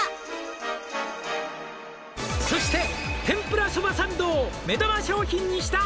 「そして天ぷらそばサンドを目玉商品にした」